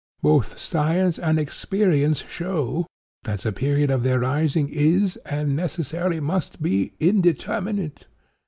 Both science and experience show that the period of their rising is, and necessarily must be, indeterminate.